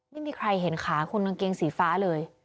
ไม่มีใครเห็นขาคนกางเกงสีฟ้าเลย